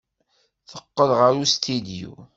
Teqqel ɣer ustidyu.